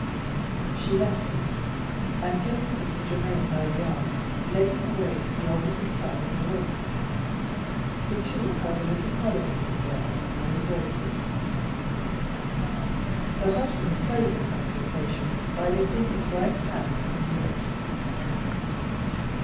She left us, and, taking Mr. Germaine by the arm, led him away to the opposite side of the room. The two held a little colloquy together in low voices. The husband closed the consultation by lifting the wife's hand to his lips.